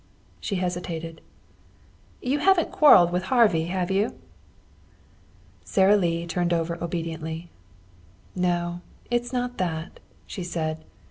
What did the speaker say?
She hesitated. "You haven't quarreled with Harvey, have you?" Sara Lee turned over obediently. "No. It's not that," she said.